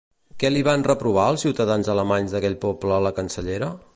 Què li van reprovar els ciutadans alemanys d'aquell poble a la cancellera?